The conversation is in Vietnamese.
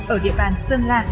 ở địa bàn sơn la